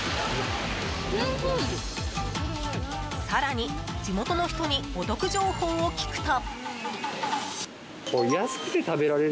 更に、地元の人にお得情報を聞くと。